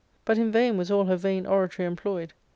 But in vain was all her vain oratory employed.